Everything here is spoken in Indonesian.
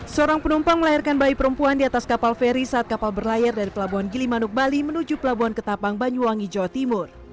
seorang penumpang melahirkan bayi perempuan di atas kapal feri saat kapal berlayar dari pelabuhan gilimanuk bali menuju pelabuhan ketapang banyuwangi jawa timur